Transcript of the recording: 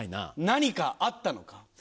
何かあったのか？